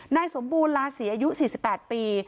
นายสมบูรณลาศรีอายุ๔๘ปี